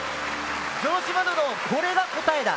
城島殿これが答えだ。